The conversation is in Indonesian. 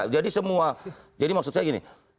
jadi maksud saya gini